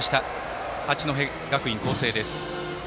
八戸学院光星です。